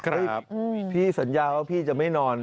ครับพี่สัญญาว่าพี่จะไม่นอน